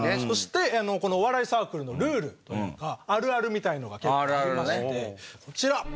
そしてこのお笑いサークルのルールというかあるあるみたいなのが結構ありましてこちら。